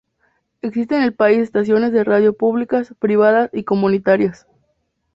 Existen en el país estaciones de radio públicas, privadas y comunitarias.